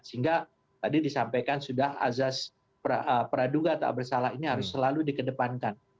sehingga tadi disampaikan sudah azas praduga tak bersalah ini harus selalu dikedepankan